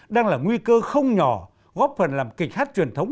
đang là nguy cơ không nhỏ góp phần làm kịch hát truyền thống